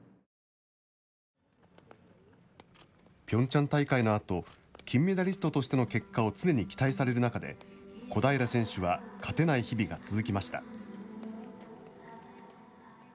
ピョンチャン大会のあと金メダリストとしての結果を常に期待される中で小平選手は勝てない日々が続きました。